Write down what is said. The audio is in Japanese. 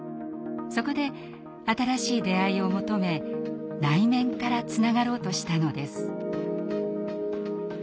そこで新しい出会いを求め内面からつながろうとしたのです。